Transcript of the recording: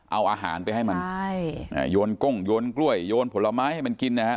เอาอาหารไปให้มันใช่อ่าโยนก้งโยนกล้วยโยนผลไม้ให้มันกินนะฮะ